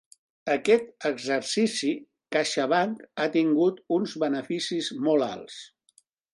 Aquest exercici CaixaBank ha tingut uns beneficis molt alts